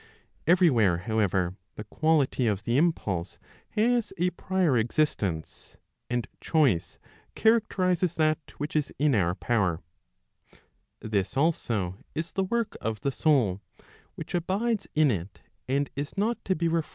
Every where, however, the quality of the impulse has a prior existence, and choice characterizes that which is in our power. This also is the work of the soul, which abides in it and is not to be referred 1 Qjmndo in Morbeka, instead of aliquando.